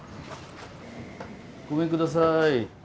ごめんください。